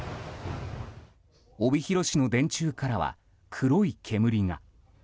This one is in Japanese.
帯広市の電柱からは黒い煙が。